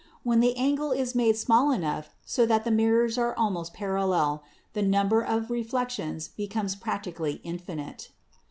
When the angle is made small enough so that the mirrors are almost paral lel, the number of reflections become practically infinite.